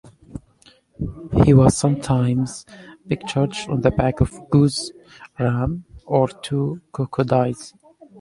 He was sometimes pictured on the back of a goose, ram, or two crocodiles.